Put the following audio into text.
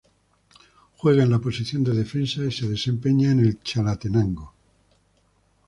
Juega en la posición de defensa y se desempeña en el Chalatenango.